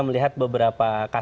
supaya clear juga